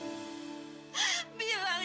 kamu sudah berubah